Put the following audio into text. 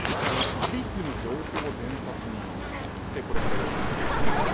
旅する情報伝達人ってこれから呼びます。